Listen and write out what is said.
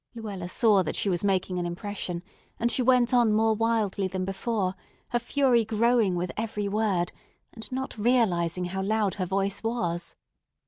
Luella saw that she was making an impression, and she went on more wildly than before, her fury growing with every word, and not realizing how loud her voice was.